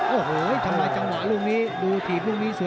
โอ้โหทำลายจังหวะลูกนี้ดูถีบลูกนี้สวย